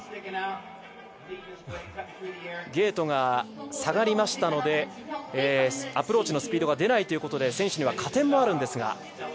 ゲートが下がりましたのでアプローチのスピードが出ないということで選手には加点もあるんですが。